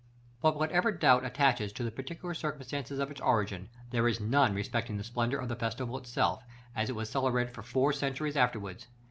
§ XIII. But whatever doubt attaches to the particular circumstances of its origin, there is none respecting the splendor of the festival itself, as it was celebrated for four centuries afterwards.